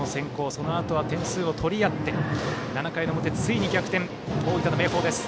そのあとは点数を取り合って７回の表、ついに逆転大分・明豊です。